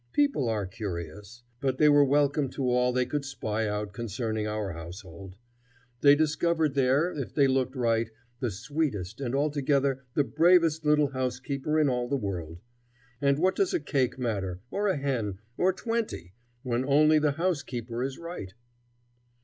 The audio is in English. People are curious. But they were welcome to all they could spy out concerning our household. They discovered there, if they looked right, the sweetest and altogether the bravest little housekeeper in all the world. And what does a cake matter, or a hen, or twenty, when only the housekeeper is right?